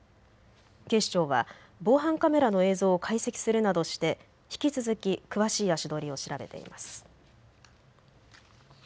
警視庁は防犯カメラの映像を解析するなどして引き続き詳しい足取りを調べています。